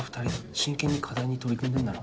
真剣に課題に取り組んでんだろ。